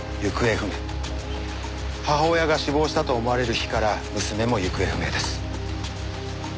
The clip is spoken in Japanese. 母親が死亡したと思われる日から娘も行方不明です。